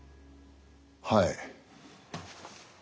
はい。